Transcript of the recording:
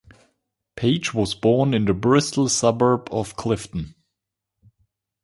Page was born in the Bristol suburb of Clifton.